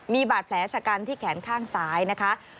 มีบาดแผลชะกันที่แขนข้างซ้ายนะคะ